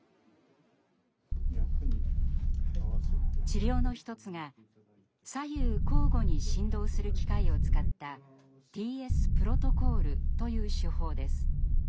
治療の一つが左右交互に振動する機械を使ったＴＳプロトコールという手法です。